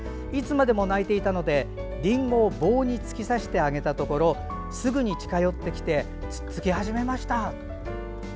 いつまでも鳴いていたのでりんごを棒に突き刺してあげたところすぐに近寄ってつっつき始めました。